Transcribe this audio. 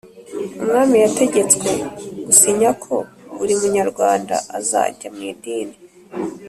umwami yategetswe gusinya ko buri munyarwanda azajya mu idini